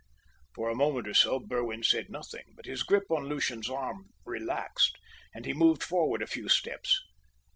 For a moment or so Berwin said nothing, but his grip on Lucian's arm relaxed, and he moved forward a few steps.